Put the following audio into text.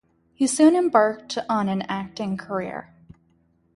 He soon embarked on an acting career.